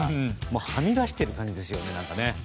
はみ出してる感じですよね。